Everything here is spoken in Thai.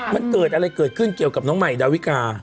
มันเกิดอะไรเกิดขึ้นเกี่ยวกับน้องใหม่ดาวิกา